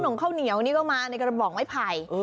มงข้าวเหนียวนี่ก็มาในกระบอกไม้ไผ่